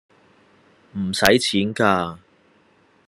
唔使錢㗎